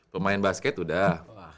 pemain basket udah